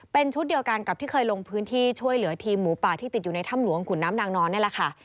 เป็นชุดเดียวกันกับที่เคยลงพื้นที่ช่วยเหลือทีมหมูป่าที่ติดอยู่ในถ้ำหลวงขุนน้ำนางนอนนี่แหละค่ะ